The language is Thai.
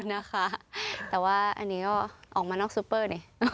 นะคะแต่ว่าอันนี้ก็ออกมานอกซูเปอร์ดิ